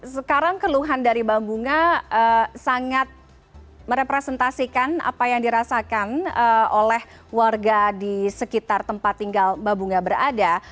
sekarang keluhan dari bambunga sangat merepresentasikan apa yang dirasakan oleh warga di sekitar tempat tinggal bambunga berada